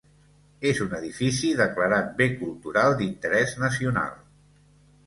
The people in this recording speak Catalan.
És un edifici declarat bé cultural d'interès nacional.